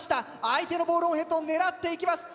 相手のボールオンヘッドを狙っていきます。